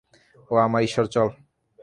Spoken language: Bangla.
ওহ, আমার ঈশ্বর - চল।